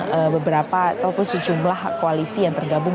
jadi mereka sendiri tidak mengajak ataupun tidak mengundang